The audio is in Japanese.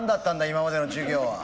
今までの授業は。